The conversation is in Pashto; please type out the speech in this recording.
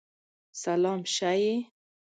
سلام شه یی!